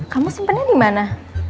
kamu sempatnya di mana